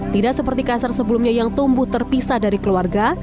tidak seperti kasar sebelumnya yang tumbuh terpisah dari keluarga